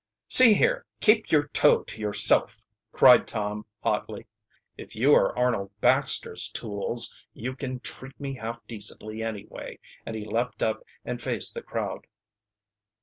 "See here, keep your toe to yourself!" cried Tom hotly. "If you are Arnold Baxter's tools you can treat me half decently, anyway," and he leaped up and faced the crowd.